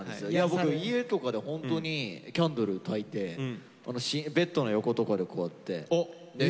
僕家とかでホントにキャンドルたいてベッドの横とかでこうやって寝る前。